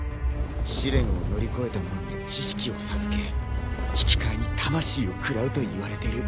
試練を乗り越えた者に知識を授け引き換えに魂を食らうといわれてる。